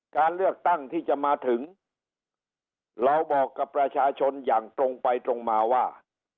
การเลือกตั้งที่จะมาถึงเราบอกกับประชาชนอย่างตรงไปตรงมาว่า